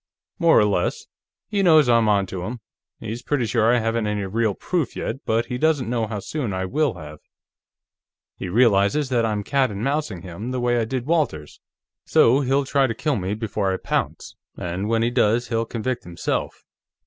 "More or less. He knows I'm onto him. He's pretty sure I haven't any real proof, yet, but he doesn't know how soon I will have. He realizes that I'm cat and mousing him, the way I did Walters. So he'll try to kill me before I pounce, and when he does, he'll convict himself.